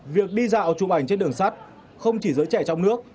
việc đi dạo chụp ảnh trên đường sắt không chỉ giới trẻ trong nước